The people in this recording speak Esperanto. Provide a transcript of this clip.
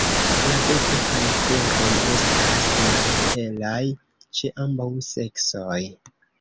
La beko kaj kruroj estas malhelaj ĉe ambaŭ seksoj.